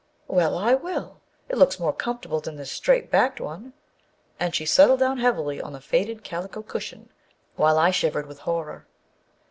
" Well, I will. It looks more comfortable than this straight backed one," and she settled down heavily on the faded calico cushion, while I shivered with horror.